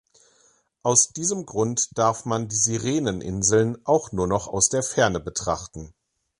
Aus diesem Grund darf man die Sirenen-Inseln auch nur noch aus der Ferne betrachten.